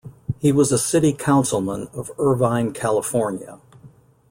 He was a City Councilman of Irvine, California.